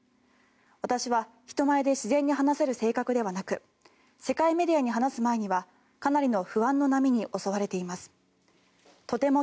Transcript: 私は人前で自然に話せる性格ではなく世界メディアに話す前にはかなりの不安の波に襲われています。